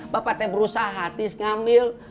bapak tema berusaha hatis ngambil